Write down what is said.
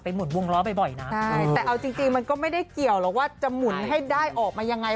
หมุนวงล้อบ่อยนะใช่แต่เอาจริงมันก็ไม่ได้เกี่ยวหรอกว่าจะหมุนให้ได้ออกมายังไง